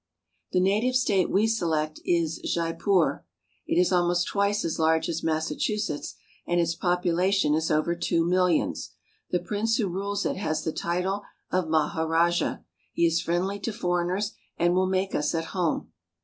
The native state we select is Jaipur (jl'poor). It is al most twice as large as Massachusetts, and its population is over two millions. The prince who rules it has the title of Maharajah. He is friendly to foreigners, and will make us at home.